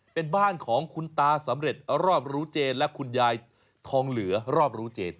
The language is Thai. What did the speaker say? เป็นบ้านของคุณตาสำเร็จรอบรู้เจนและคุณยายทองเหลือรอบรู้เจน